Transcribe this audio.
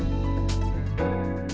sampai jumpa bye bye